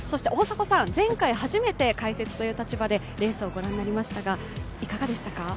大迫さん、前回初めて解説という立場でレースを御覧になりましたが、いかがでしたか？